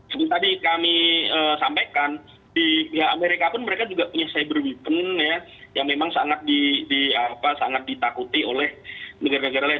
seperti tadi kami sampaikan di pihak amerika pun mereka juga punya cyber weapon yang memang sangat ditakuti oleh negara negara lain